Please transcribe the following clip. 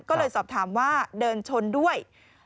ก็เลยสอบถามว่าเดินชนด้วย